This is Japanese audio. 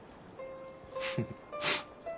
フフッ。